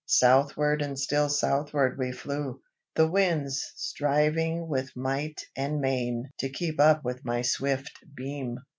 Southward and still southward we flew, the Winds striving with might and main to keep up with my swift beam.